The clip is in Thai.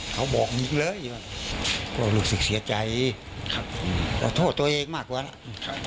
เค้าบอกนิดเลยผมต้องรู้สึกเสียใจครับขอโทษตัวเองมากกว่าใช่ไหม